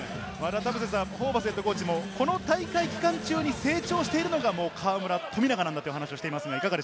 ホーバスＨＣもこの大会期間中に成長しているのが河村、富永なんだと話していますね。